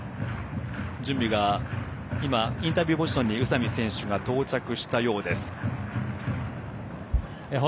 インタビューポジションに宇佐美選手が到着したようです。